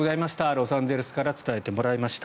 ロサンゼルスから伝えてもらいました。